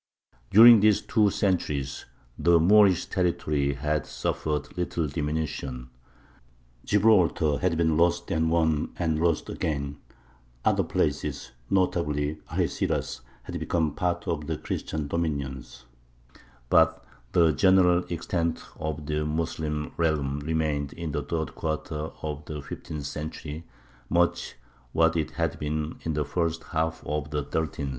During these two centuries the Moorish territory had suffered little diminution. Gibraltar had been lost and won and lost again; other places, notably Algeciras, had become part of the Christian dominions; but the general extent of the Moslem realm remained in the third quarter of the fifteenth century much what it had been in the first half of the thirteenth.